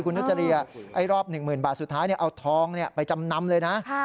คุณนุจรียรอบ๑๐๐๐บาทสุดท้ายเอาทองไปจำนำเลยนะ